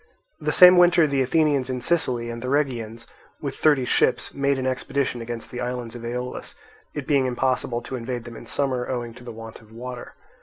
The same winter the Athenians in Sicily and the Rhegians, with thirty ships, made an expedition against the islands of Aeolus; it being impossible to invade them in summer, owing to the want of water.